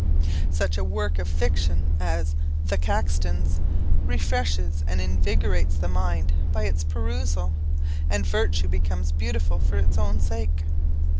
Such a work of fiction as "The Caxtons" refreshes and invigorates the mind by its perusal; and virtue becomes beautiful for its own sake.